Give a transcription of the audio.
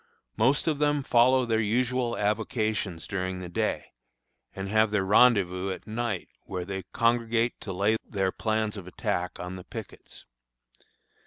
Most of them follow their usual avocations daring the day, and have their rendezvous at night, where they congregate to lay their plans of attack on the pickets.